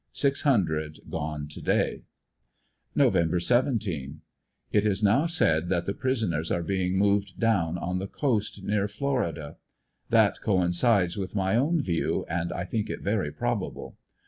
Six hundred gone to day. Nov. 17 — It is now said that the prisoners are being moved down on the coast near Florida. That coincides with my own view, and I think it very probable.